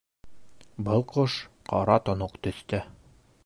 Был ҡош ҡара-тоноҡ төҫтә.